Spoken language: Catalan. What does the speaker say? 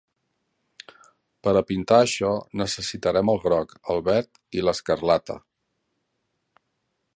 Per a pintar això necessitarem el groc, el verd i l'escarlata.